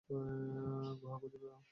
গুহা খুঁজে নাও।